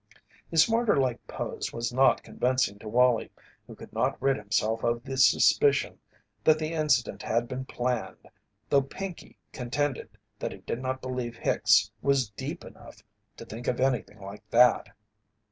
His martyr like pose was not convincing to Wallie, who could not rid himself of the suspicion that the incident had been planned, though Pinkey contended that he did not believe Hicks was "deep" enough to think of anything like that.